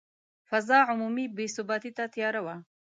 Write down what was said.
فضا عمومي بې ثباتي ته تیاره وه.